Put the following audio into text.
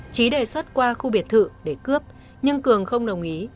trí đề xuất qua khu biệt thự để cướp nhưng cường không đồng ý